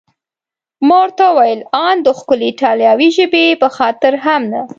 ما ورته وویل: ان د ښکلې ایټالوي ژبې په خاطر هم نه؟